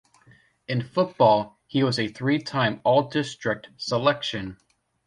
In football, he was a three-time All-District selection.